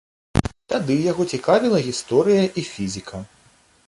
Тады яго цікавіла гісторыя і фізіка.